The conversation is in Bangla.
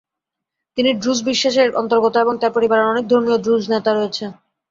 তিনি ড্রুজ বিশ্বাসের অন্তর্গত, এবং তার পরিবারের অনেক ধর্মীয় দ্রুজ নেতা রয়েছে।